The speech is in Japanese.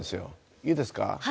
いいですか？